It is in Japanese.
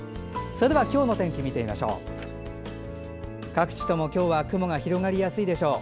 それでは今日の天気見てみましょう。